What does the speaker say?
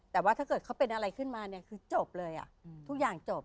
แต่ว่าถ้าเกิดเขาเป็นอะไรขึ้นมาเนี่ยคือจบเลยทุกอย่างจบ